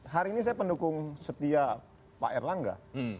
hari ini saya pendukung setia pak erlangga